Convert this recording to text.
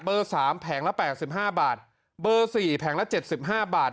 เบอร์สามแผงละแปลกสิบห้าบาทเบอร์สี่แผงละเจ็ดสิบห้าบาท